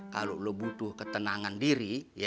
kalau lo butuh ketenangan diri